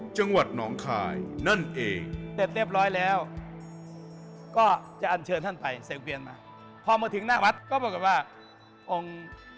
จังหวัดหนองคายนั่นเอง